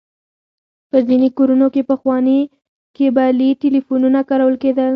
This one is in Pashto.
په ځينې کورونو کې پخواني کيبلي ټليفونونه کارول کېدل.